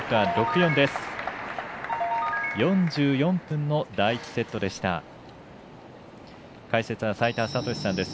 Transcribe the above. ４４分の第１セットです。